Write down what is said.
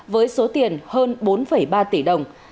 với số tiền hơn bốn ba tỷ đồng